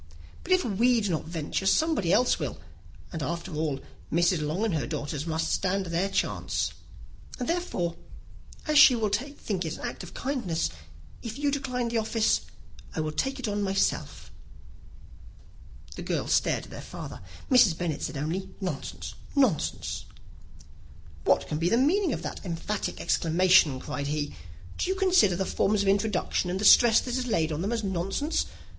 But if we do not venture, somebody else will; and after all, Mrs. Long and her nieces must stand their chance; and, therefore, as she will think it an act of kindness, if you decline the office, I will take it on myself." The girls stared at their father. Mrs. Bennet said only, "Nonsense, nonsense!" "What can be the meaning of that emphatic exclamation?" cried he. "Do you consider the forms of introduction, and the stress that is laid on them, as nonsense?